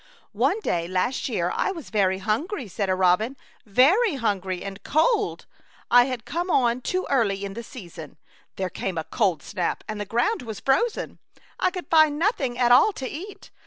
"One day last year I was very hungry," said a robin, " very hungry and cold. I had come on too early in the season. There came a cold snap, and the ground was frozen. I could find nothing at all to eat.